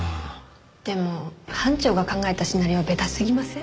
でも班長が考えたシナリオベタすぎません？